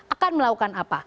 akan melakukan apa